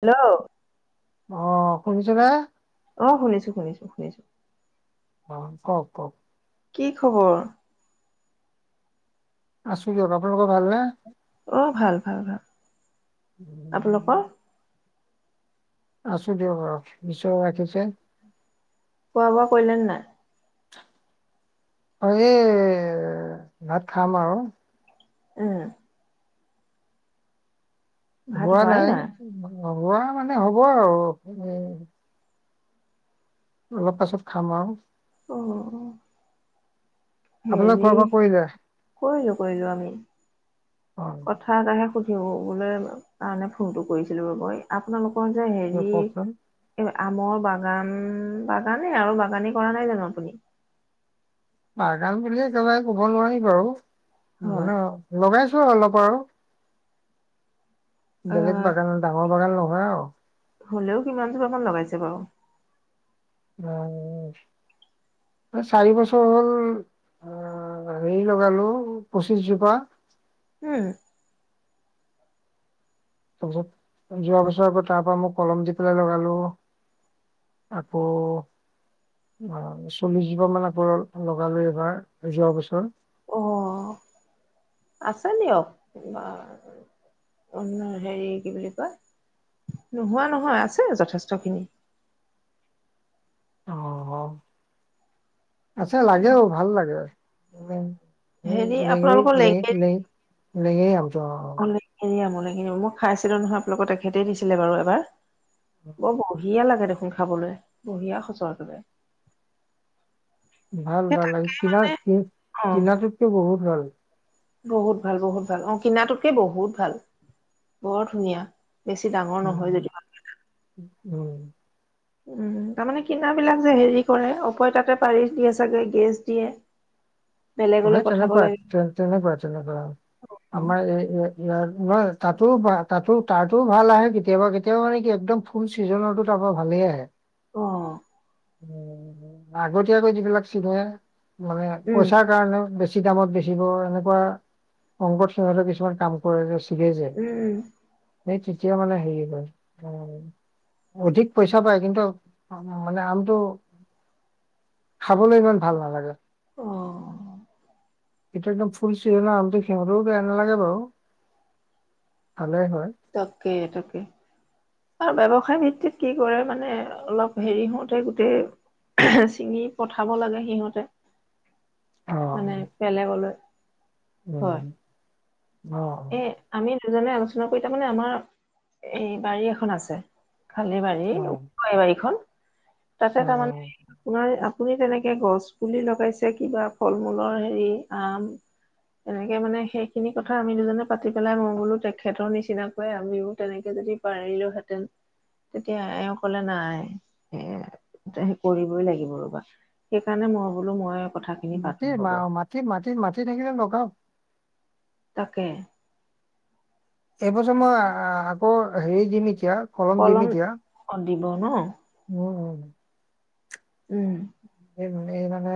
Hello? অ', শুনিছেনে? অঁ শুনিছো শুনিছো শুনিছ অঁ কওঁক কওঁক। কি খবৰ? আছো দিয়ক, আপোনালোকৰ ভাল নে? অ ভাল ভাল ভাল আপোনালোকৰ আছো দিয়ক আৰু, ঈশ্বৰে ৰাখিছে। খোৱা বোৱা কইলেনে নাই? অঁ এই, ভাত খাম আৰু। উম। ভাত হোৱা হোৱাই নাই হোৱা নাই মানে হ'ব আৰু। উম অলপ পাছত খাম আৰু। অঁ, অঁ। আপোনালোকে খোৱা বোৱা কৰিলে? কৰিলো কৰিলো আমি। অ', কথা এটাহে সুধিবলৈ কাৰণে ফোনটো কৰিছিলো মই, আপোনালোক কৰ যে হেৰি, কওকচোন এ আমৰ বাগান বাগানেই আৰু বাগানে কৰা নাই জানো আপুনি? বাগান বুলি একেবাৰে ক'ব নোৱাৰি বাৰু। হয় মানে লগাই আছ অলপ আৰু বেলেগ আহ বাগান ডাঙৰ বাগান নহ হয় আৰু হ'লেও কিমান জোপামান লগাইছে বাৰু? চাৰি বছৰ হ'ল আহ হেৰি লগালো, পঁচিছজোপা। উম। তাৰ পিছত, যোৱা বছৰ আকৌ তাৰ পৰা মোক কলম দি পেলাই লগালো, আকৌ আ চল্লিশ জোপা মান আকৌ লগালো এইবাৰ, যোৱা বছৰ। অ আছে দিয়ক বাৰু, অন হেৰি, কি বুলি কয় নোহোৱা নহয় আছে যথেষ্ট খিনি। অ আছে, লাগেও, ভাল লাগে আৰু উম। হেই হেৰি আপোনালোকৰ লেঙেৰি লেঙেই লেঙ লেঙেৰী আমটো অ অ [unintelligible] মই খাইছিলো নহয় আপোনালোকত তেখেতে দিছিলে বাৰু এবাৰ, বৰ বঢ়িয়া লাগে দেখোন খাবলৈ বঢ়িয়া সচৰ একেবাৰে। ভাল ভাল লাগে। কিনা অ কিনাটোতকে বহুত ভাল বহুত ভাল, বহুত ভাল অ কিনাটোতকে বহুত ভাল। বৰ ধুনীয়া বেছি ডাঙৰ নহয় উম যদি। উম'' উম' তাৰমানে কিনাবিলাক যে হেৰি কৰে, অপয় তাতে পাৰিষ দিয়ে চাগে, গেছ দিয়ে। অ' বেলেগলৈ সেই পঠাব তেনেকুৱা, লাগে তে তেনেকুৱা, তেনেকুৱা অ আমাৰ এই, ইয় নহয় তাতো বা তাতো- তাতো ভাল আহে কেতিয়াবা, কেতিয়াবা মানে কি একদম ফুল চিজনতো তাৰ পৰা ভালেই আহে। অ' উ' আগত আগৈ যিব লাগ চি নহে- মানে উম পচ- কাৰণ- বেি দামত বেচিব এনেকুৱা অংগতসিংহলে কিছুমান কাম কৰে- উম'' এই তেতিয়া মানে হেৰি হয়, অধিক পইচা পায় কিন্তু মানে আমটো- খাবলৈ ইমান ভাল নালাগে। অ এটো একদম- খুলছিল নমো সিহঁত- বেয়া নালাগে বাৰু। ভালেই হয় তাকে, তাকে। আৰু ব্য্ৱসায় ভিত্তিত কি কৰে মানে, অলপ হেৰি হহওঁতে গোটেই চিঙি পঠাব লাগে সিহঁতে। অ মানে বেলেগলৈ। হয়। উম' এ আমি অ' দুজনে আলোচনা কৰি তাৰমানানে, আমাৰ এই বাৰী এখন আছে। খালে বাৰী, অ এই ব়ীখন- তাতে অ তাৰমানে আপোনাৰ- আপুনি তেনেকে গছ পুলি লগাইছে, কিবা ফল মূলৰ হেৰি, আম এনেকে মানে সেইখিনি কথা- আমি দুজনে পাতি পেলাই মই বোলো, তেখেতৰ নিচিনাকৈ আমিও তেনেকে যদি পাৰিলো হেতেন, তেতিয়া এ কলে নাই এ কৰিবই লাগিব ৰ'বা। সেইকাৰণে মই বোলো, মই- কথাখিনি পাতো মাটিৰ, ম ৰব মাটিত, মাটিত, মাটি থাকিল লগও। তাকে। এইবছৰ মই আহ- অ সেই যিমি- কিয় কলম দি নেকিয়। অ দিব ন! উম। এই মানে,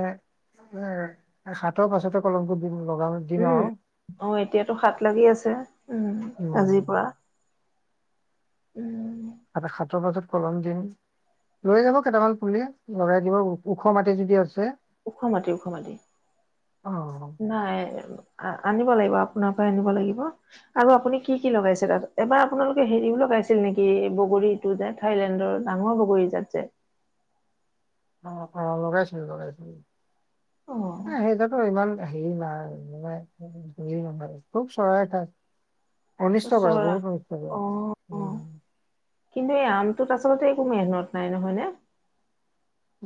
এ সাতৰ পাছতে কলমটো। দিম লগাম দিম উম আৰু অ এতিয়াতো হাত লাগি আছে। উম উম। আজিৰ পৰা উম। এটা সাতৰ মাজত কলম দিন। লৈ যাব কেইটামান পুলি। লৰাই দিব ওখ মাটি যদি আছে। ওখ মাটি ওখ মাটি অ নাই। আনিব লাগিব আপোনাৰ পৰাই। অ, অ লগাইছো লগাইছো। এ অ সেইটোতো ইমান। হে ন মে ন খুব চৰাই খায়। অনিষ্ট কৰে, চৰা বহুত অনিষ্ট কৰে। অ অ কিন্তু এই আমটোত আচলতে একো মেহনত নাই নহয় নে?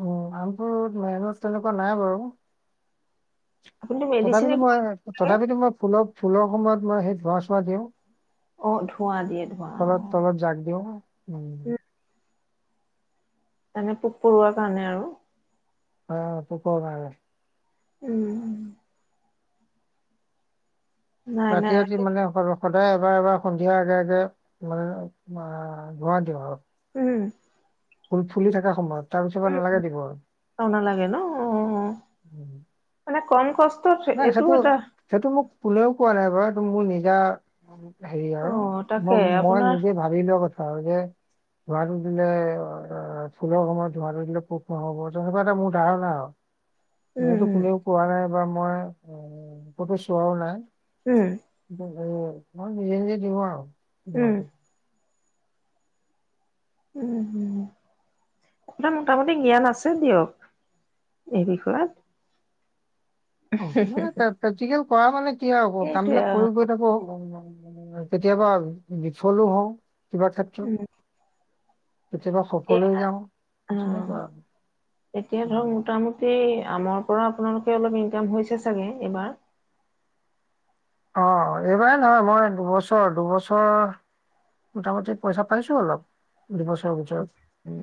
উম আমবোৰত, মেহনত তেনেকুৱা নাই বাৰু। আপুনিতো মেডিচিন তথাপিতো একো মই নালাগে। তথাপিতো মই ফুলক ফুলৰ সময়ত মই সেই ধোৱা-চোৱা দিওঁ। অ' ধোঁৱা দিয়ে ধোঁৱা তলত অ'। তলত জাক দিও, উম। এনে পোক-পৰুৱা কাৰণে আও অ পোকৰ কাৰণে উম। নাই নাই। ৰাতি-ৰাতি মানে সৰহ সদায় এবাৰ এবাৰ সন্ধিয়াৰ আগে আগে মানে মা ধোঁৱা দিও আৰু হম। ফুল ফুলি থকা সময়ত তাৰ পিছৰ পৰা নালাগে দিব আৰু। চাও নালাগে ন? অ', অ'। মানে কম কষ্ট। নাই সেইটো, সেইটো মোক কোনেও কোৱা নাই বাও সেইটো মোৰ নিজ [unintelligible] হেৰি আৰু অ' তাকে মই আপোনাৰ নিজে ভাবি লোৱা কথা। আৰু যে ধোঁৱাটো দিলে, অ ফুলৰ সময়ত ধোঁৱাটো দিলে পোক নহ'ব তেনেকুৱা এটা মোৰ ধাৰণা আৰু। উম, মইটো উম, কোনেও কোৱা নাই। বা মই উ, কতো চোৱাও নাই। উম। উম, মই নিজে নিজে দিও আৰু। উম, নোৱাৰো। উম হুম, হুম আপোনাৰ মোটামুটি জ্ঞান আছে দিয়ক, এই বিষয়ত। অঁ ন তজিক [unintelligible] ঘৰৰ মানুহে কি কয় কি আৰু হ'ব। সেইটোৱে কামবিলাক অ'। কৰি গৈ থাকো আৰু সময় সময়। কেতিয়াবা বিফলো হওঁ। কিবা ক্ষেত্ৰত। উম, কেতিয়াবা সফল এতিয়া হৈ যাওঁ, অ' তেনেকুৱা আৰু। এতিয়া ধৰক মোটামুটি আমৰ পৰা আপোনালোকৰ অলপ ইনকাম হৈছে চাগে, এইবাৰ। অঁ এইবাৰ নহয় মই দুবছৰ, দুবছৰ মোটামুটি পইচা পাইছো অলপ। দুবছৰ ভিতৰত উম,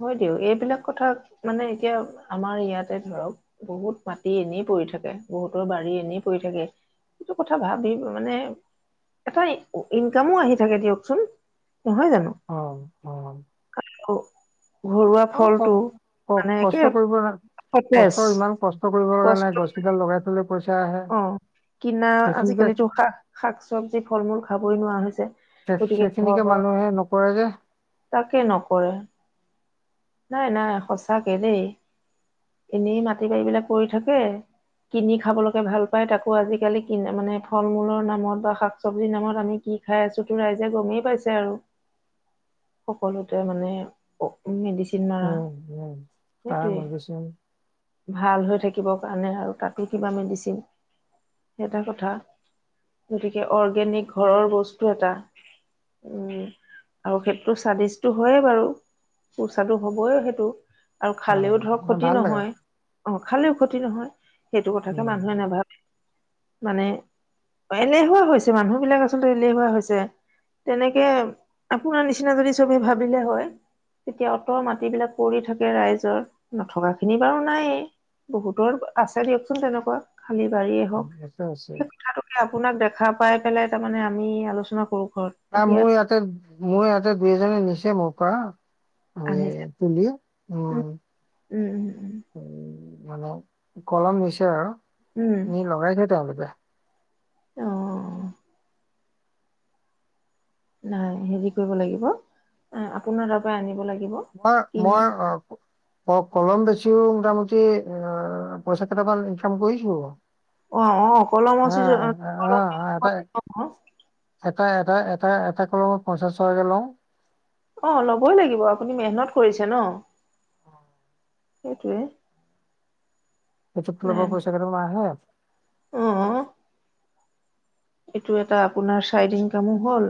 হয় দিয়ক, এইবিলাক কথা মানে এতিয়া আমাৰ ইয়াতে ধৰক বহুত মাটি এনেই পৰি থাকে। বহুতৰ বাৰী এনেই পৰি থাকে। সেইটো কথা ভাবি মানে, এটা ইনকামো আহি থাকে দিয়কচোন। নহয় জানো অ, অ ঘৰুৱা অহ, ফলটো কওক, কওক মানে একে কষ্ট কৰিব কাৰণে সতেজ কষ্ট ইমান কষ্ট কৰিব কাৰণে গছ কেইডাল লগাই থলে। পইচা আহে অহ, কিনা সেইখিনিতে আজিকালিতো শাক, শাক চবজি ফল মূল। খাবই নোৱাৰা হৈছে। গতিকে সেইখিনিকে ঘৰৰ মানুহে নকৰে। কৰে যে। তাকে নকৰে। নাই, নাই সঁচা কে দে। এনেই মাটি বাৰী বিলাক পৰি থাকে। কিনি খাবলৈকে ভাল পায়। তাকো আজিকালি কিনা মানে ফল মূলৰ নামত বা শাক চবজিৰ নামত আমি কি খাই আছো। তো ৰাইজে গমেই পাইছে আৰু। সকলোতে মানে আৰু অকল মেডিচিন। মাৰা উম, উম সাৰ সেইটোৱে মেডিচিন। ভাল হৈ থাকিব কাৰণে আৰু তাতো কিবা মেডিচিন। সেইটো এটা কথা গতিকে অৰ্গেনিক ঘৰৰ বস্তু এটা। উম আৰু সেইটো স্বাদিষ্টটো হয়ে বাৰু। সুস্বাদু হবই সেইটো। আৰু অ খালেও ধৰক। ক্ষতি ভাল লাগে নহয়। অহ, খালেও ক্ষতি নহয়। সেইটো কথাকে উম মানুহে নাভাবে। মানে এলেহুৱা হৈছে। মানুহ বিলাক আচলতে এলেহুৱা হৈছে। তেনেকে আপোনাৰ নিচিনা যদি চবে ভাবিলে হয় তেতিয়া অ'ত মাটিবিলাক পৰি থাকে ৰাইজৰ। নথকা খিনি বাৰু নাইয়ে। বহুতৰ আছে দিয়কচোন তেনেকুৱা। আালি বঢাৰিয়েই উম, হওক আছে আছে সেই কথাটোকে [unintelligible] আপোনাক দেখা পাই পেলাই তাৰমানানে আমি আলোচনা কৰো। ঘৰত আহ, এতিয়া মোৰ ইয়াতে। মোৰ ইয়াতে দুই এজনে নিছে মোৰ পৰা। আৰু আনিছে তুলি উ উম উম উম উম উ মানে কলম নিছে আৰু এ লগাই থ তেওঁলোকে আহ নাই হেৰি কৰিব লাগিব এ আপোনাৰ তাৰ পৰা আনিব লাগিব মই কিনি মই অ অফ কলম বেছিও মোটামুটি অ অ পইচা কেইটামান ইনকম কৰিছো অ অ কলম হা আ- আ- আ- এটা এটা এটা এটা এটা কলমত পঞ্চাছ টকাকে লওঁ অ ল'বই লাগিব আপুনি মেহনত কৰিছে ন সেইটোৱে এইটোয়া তল ব নাই নাই, পইচা কম আহ অ এইটো এটা আপোনাৰ চাইড ইনকামো হল,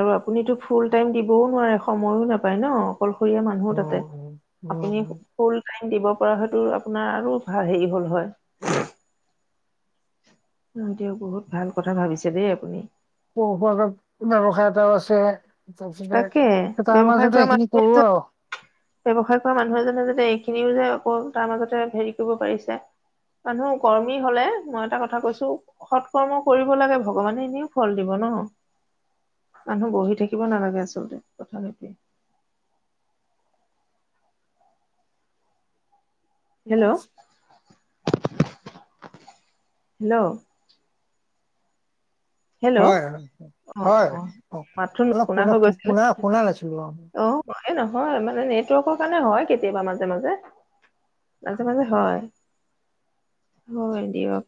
আৰু আপুনিটো ফুল টাইম দিবও নোৱাৰে, সময়ো নাপায় নহ। অকলশৰীয়া মানুহ তাতে, উম উম উম আপুনি উম ফু ফুল টাইম দিব পৰা হলে। টো আপোনাৰ আৰু ভালেই হ'ল হয়। অক্ষ দিয়ক বহুত ভাল কথা ভাবিছে দেই আপুনি। পহপত ব্যৱসায় এটাও আছে। তাৰপিছতে তাকে এটা আমাৰ ব্যৱসায় যাতে কৰা এইখিনি মানুহ কৰো এজন আৰু। ব্যৱসায় কৰা মানুহ এজনে যাতে এইখিনিও যে আকৌ তাৰ মাজতে হেৰি কৰিব পাৰিছে মানুহ কৰ্মী হলে মই এটা কথা কৈছো সৎ কৰ্ম কৰিব লাগে ভগৱানে এনেও ফল দিব ন মানুহ বহি থাকিব নালাগে আচলতে তথাপি। হেল্ল'। হেল্ল'। হেল্ল' হয় অ হয় অ হয় মাতটো অলপ নুশুনা পোনা হৈ গৈছিলে পোনা শুনা নাছিলো আৰু। অ এই নহয় মানে নেটৱৰ্কৰ কাৰণে হয় কেতিয়াবা মাজে মাজে মাজে মাজে হয় হয় দিয়ক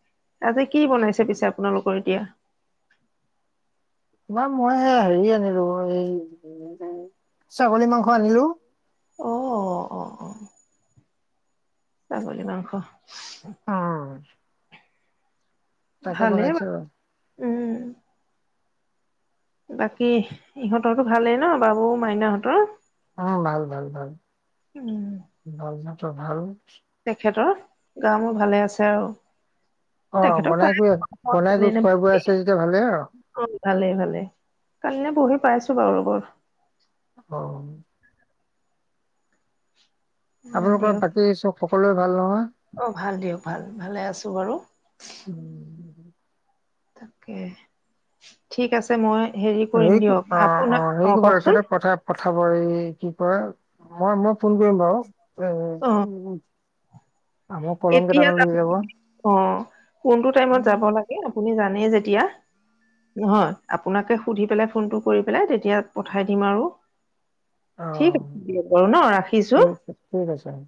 আজি কি বনাইছে পিছে আপোনালোকৰ এতিয়া। তিবা মই হেৰি আনিলো এই। ছাগলী মাংস আনিলো। অহ অহ। ছাগলী মাংস। উ টাকে বনাইছো বাৰু আৰু। উম। বাকী ইহতৰতো ভালেই ন বাবু মাইনাহতৰ। উম ভাল ভাল ভাল উম ভাল চা। ভাল। তেখেতৰ গা মোৰ ভালে আছে আৰু। অহ তেখেতক পাই বনাই কৰি বনাই ভালেই কৰি খোৱা নে? বোৱা আছে যেতিয়া, ভালেই আৰু। অ ভালেই ভালেই কাল নে পৰহি পাইছো বাৰু লগৰ। অহ। আপোনালোকৰ বাকী চব। সকলোৱে ভাল নহয়। অহ ভাল দিয়ক ভাল ভালেই আছো বাৰু। উম। তাকে ঠিক আছে মই। হেৰি কৰিম এই দিয়ক কথা আপোনাক অহ অ হেৰি কৰিব কওকচোন এখেতে কথা পঠাব এই কি। মই মই ফোন কৰিম বাৰু। উম, উম‌, উ, উ। কেতিয়াবা অ কোনটো টাইমত যাব লাগে আপুনি জানিব। আহে যেতিয়া নহয়, আপোনাকে সুধি পেলায়, ফোনটো কৰি পেলায় তেতিয়া পঠাই দিম আৰু। ঠিক আছে দিয়া বাৰু নহ ৰাখিছো। ঠিক ঠিক আছে